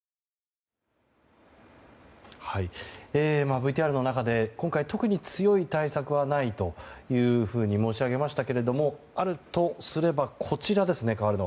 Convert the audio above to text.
ＶＴＲの中で今回特に強い対策はないというふうに申し上げましたけれどもあるとすれば、こちらですね。